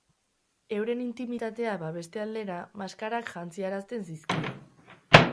Euren intimitatea babeste aldera, maskarak jantziarazten zizkien.